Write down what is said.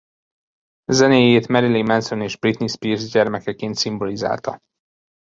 Zenéjét Marilyn Manson és Britney Spears gyermekeként szimbolizálta.